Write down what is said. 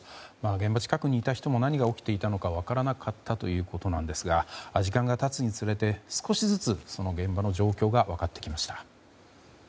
現場近くにいた人も何が起きていたのか分からなかったということなんですが時間が経つにつれて、少しずつ現場の状況が分かってきました。